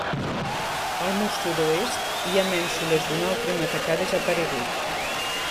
Al mur sud-oest hi ha mènsules d'un altre matacà desaparegut.